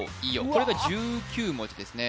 これが１９文字ですね